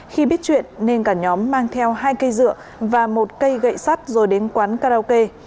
khi biết chuyện nên cả nhóm mang theo hai cây dựa và một cây gậy sắt rồi đến quán karaoke